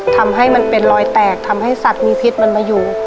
ทำให้มันเป็นรอยแตกทำให้สัตว์มีพิษมันมาอยู่